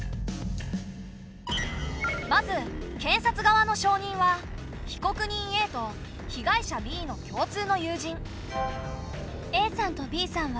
まず検察側の証人は被告人Ａと被害者Ｂの共通の友人。